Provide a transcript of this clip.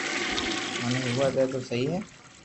مني ھووا دئي تو سھي ھي